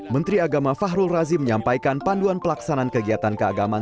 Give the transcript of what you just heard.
menteri agama fahrul razi menyampaikan panduan pelaksanaan kegiatan keagamaan